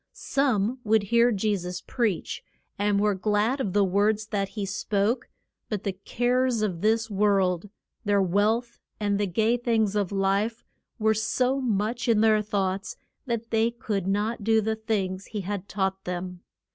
Some would hear Je sus preach, and were glad of the words that he spoke; but the cares of this world, their wealth, and the gay things of life, were so much in their thoughts that they could not do the things he had taught them.